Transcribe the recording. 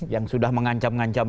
yang sudah mengancam ngancam